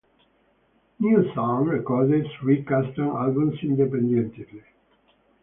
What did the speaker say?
NewSong recorded three custom albums independently.